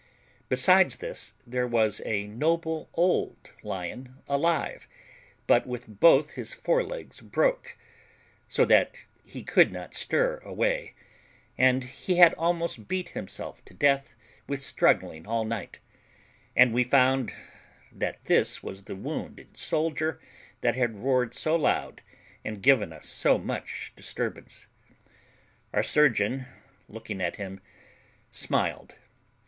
Besides this there was a noble old lion alive, but with both his fore legs broke, so that he could not stir away, and he had almost beat himself to death with struggling all night, and we found that this was the wounded soldier that had roared so loud and given us so much disturbance. Our surgeon, looking at him, smiled.